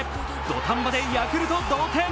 土壇場でヤクルト同点。